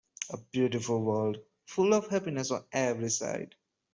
A beautiful world, full of happiness on every side.